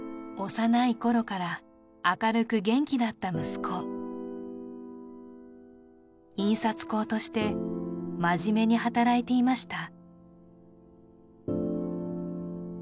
幼い頃から明るく元気だった息子印刷工として真面目に働いていました